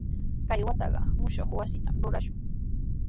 Kay wataqa mushuq wasitami rurashun.